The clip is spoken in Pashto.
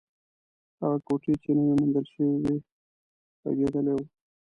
هغه کوټې چې نوې موندل شوې وه، غږېدلې وه.